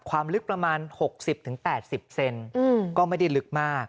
ความลึกประมาณ๖๐๘๐เซนก็ไม่ได้ลึกมาก